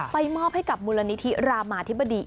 มอบให้กับมูลนิธิรามาธิบดี